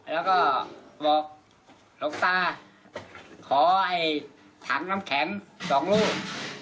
แล้วก็บอกลกตาขอให้ถังน้ำแข็ง๒ลูก